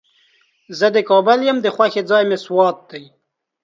زه د کابل یم، د خوښې ځای مې سوات دی.